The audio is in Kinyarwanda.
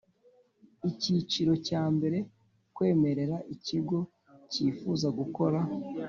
Icyiciro cya mbere Kwemerera ikigo cyifuza gukora